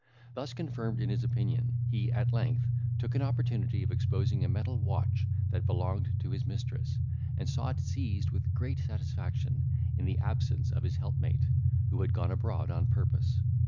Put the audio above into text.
Thus confirmed in his opinion, he, at length, took an opportunity of exposing a metal watch that belonged to his mistress, and saw it seized with great satisfaction, in the absence of his helpmate, who had gone abroad on purpose.